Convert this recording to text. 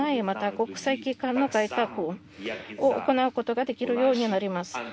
また国際機関の改革を行うことができるようになります。